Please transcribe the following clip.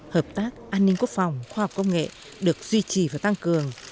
hợp tác an ninh quốc phòng khoa học công nghệ được duy trì và tăng cường